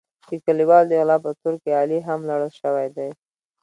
د کلیوالو د غلا په تور کې علي هم لړل شوی دی.